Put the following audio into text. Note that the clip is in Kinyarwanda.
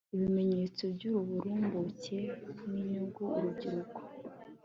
ibimenyetso by'uburumbuke n'inyugu urubyiruko